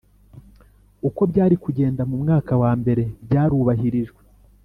uko byari kugenda mu mwaka wa mbere byarubahirijwe